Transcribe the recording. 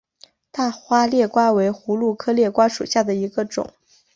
大花裂瓜为葫芦科裂瓜属下的一个种。